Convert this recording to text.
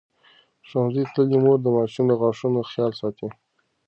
ښوونځې تللې مور د ماشوم د غاښونو خیال ساتي.